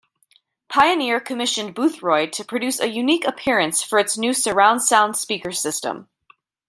Pioneer commissioned Boothroyd to produce a unique appearance for its new surround-sound speaker system.